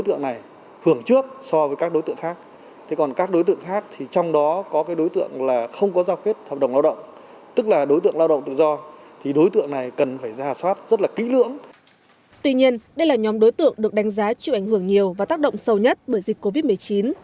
tuy nhiên đây là nhóm đối tượng được đánh giá chịu ảnh hưởng nhiều và tác động sâu nhất bởi dịch covid một mươi chín